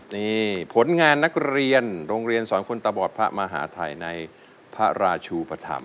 นี่ผลงานนักเรียนโรงเรียนสอนคนตาบอดพระมหาทัยในพระราชูปธรรม